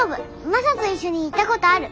マサと一緒に行ったことある。